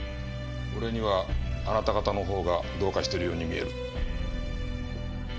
俺にはあなた方のほうがどうかしてるように見える。